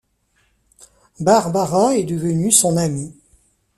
Barbara est devenue son amie.